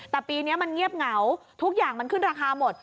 แต่ปีนี้มันเงียบเหงาทุกอย่างมันขึ้นราคาหมด